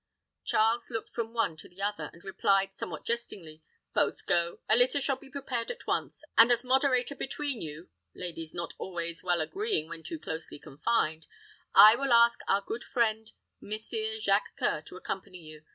Charles looked from the one to the other, and replied, somewhat jestingly, "Both go. A litter shall be prepared at once; and as a moderator between you ladies not always well agreeing when too closely confined I will ask our good friend Messire Jacques C[oe]ur to accompany you.